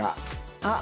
あっ！